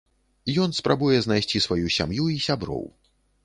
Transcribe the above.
Ён спрабуе знайсці сваю сям'ю і сяброў.